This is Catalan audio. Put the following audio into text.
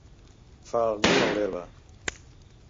Fa el niu en l'herba.